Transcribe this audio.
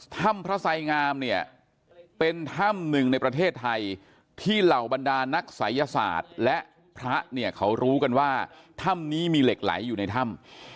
ถ้ำพระไสงามเนี่ยเป็นถ้ำหนึ่งในประเทศไทยที่เหล่าบรรดานักศัยศาสตร์และพระเนี่ยเขารู้กันว่าถ้ำนี้มีเหล็กไหลอยู่ในถ้ำ